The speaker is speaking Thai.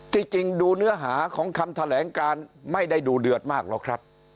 จริงดูเนื้อหาของคำแถลงการไม่ได้ดูเดือดมากหรอกครับ